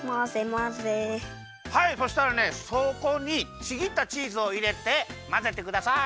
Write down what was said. はいそしたらねそこにちぎったチーズをいれてまぜてください。